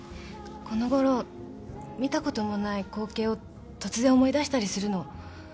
このごろ見たこともない光景を突然思い出したりするの。